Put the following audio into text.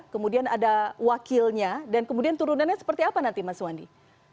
kemudian ada wakilnya dan kemudian turunannya seperti apa nanti mas wandi